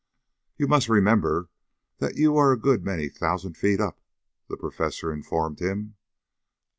"You must remember that you are a good many thousand feet up," the Professor informed him.